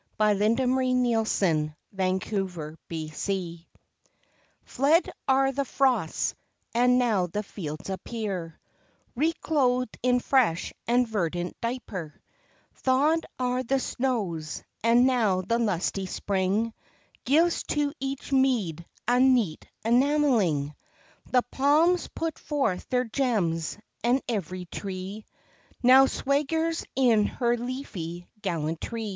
23. FAREWELL FROST, OR WELCOME SPRING Fled are the frosts, and now the fields appear Reclothed in fresh and verdant diaper; Thaw'd are the snows; and now the lusty Spring Gives to each mead a neat enamelling; The palms put forth their gems, and every tree Now swaggers in her leafy gallantry.